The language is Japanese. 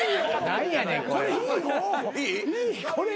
何やねんそれ。